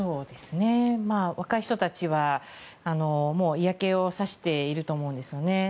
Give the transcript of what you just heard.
若い人たちはもう嫌気が差していると思うんですよね。